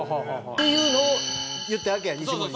っていうのを言ったわけや西森にも。